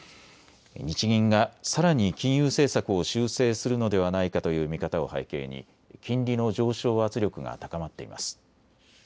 日銀がさらに金融政策を修正するのではないかという見方を背景に金利の上昇圧力が高まっています。